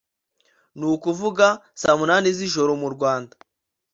ni ukuvuga saa munani z’ijoro mu Rwanda